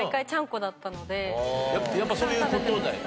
やっぱそういう事だよね。